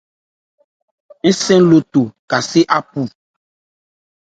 Wo lo sa kɔn ji.